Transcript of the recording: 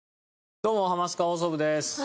どうも『ハマスカ放送部』です。